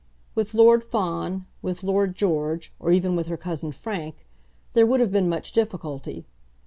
With Lord Fawn, with Lord George, or even with her cousin Frank, there would have been much difficulty.